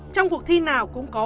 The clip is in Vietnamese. trong cuộc thi nào cũng có